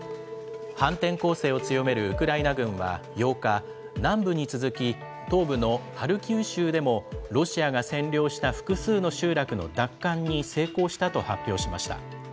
反転攻勢を強めるウクライナ軍は８日、南部に続き、東部のハルキウ州でも、ロシアが占領した複数の集落の奪還に成功したと発表しました。